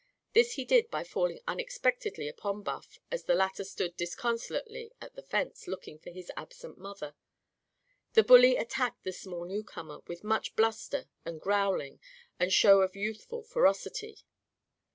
This he did by falling unexpectedly upon Buff as the latter stood disconsolately at the fence looking for his absent mother. The bully attacked the small newcomer with much bluster and growling and show of youthful ferocity.